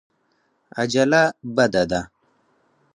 عجله بده ده.